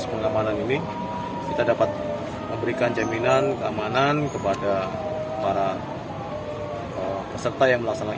pengamanan ini kita dapat memberikan jaminan keamanan kepada para peserta yang melaksanakan